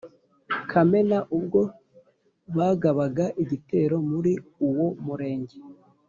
Kamena, ubwo bagabaga igitero muri uwo Murenge.